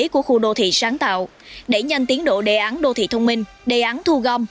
của khu đô thị sáng tạo đẩy nhanh tiến độ đề án đô thị thông minh đề án thu gom